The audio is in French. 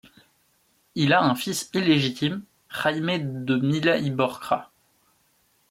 Il a un fils illégitime, Jaime de Mila y Borja.